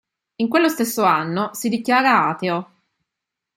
In quello stesso anno si dichiara ateo.